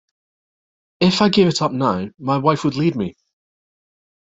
If I gave it up now, my wife would leave me.